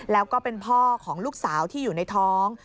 แล้วก็เป็นพ่อของลูกสาวที่อยู่ในท้อง